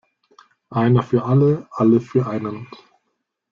Einer für alle, alle für einen!